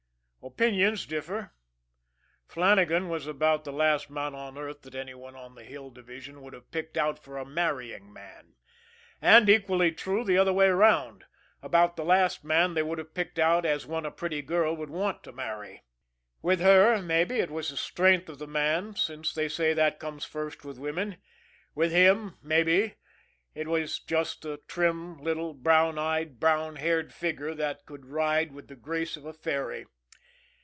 Opinions differ. Flannagan was about the last man on earth that any one on the Hill Division would have picked out for a marrying man; and, equally true the other way round, about the last man they would have picked out as one a pretty girl would want to marry. With her, maybe, it was the strength of the man, since they say that comes first with women; with him, maybe, it was just the trim little brown eyed, brown haired figure that could ride with the grace of a fairy.